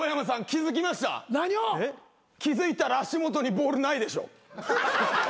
気付いたら足元にボールないでしょ？